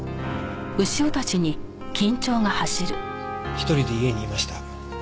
１人で家にいました。